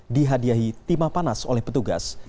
dihadiahi timah panas oleh petugas